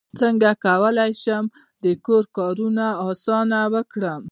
څنګه کولی شم د کور کارونه اسانه کړم